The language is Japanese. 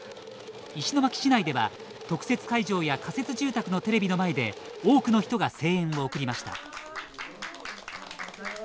石巻市内では特設会場や仮設住宅のテレビの前で多くの人が声援を送りました。